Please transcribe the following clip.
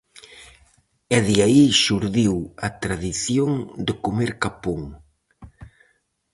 E de aí xurdiu a tradición de comer capón.